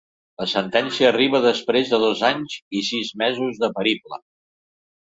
La sentència arriba després de dos anys i sis mesos de periple.